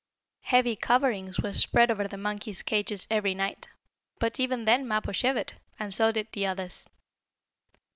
Heavy coverings were spread over the monkeys' cages every night, but even then Mappo shivered, and so did the others.